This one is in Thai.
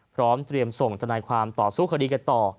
พร้อมเตรียมส่งทนายความต่อสู้คดีกันต่อ